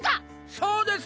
そうです！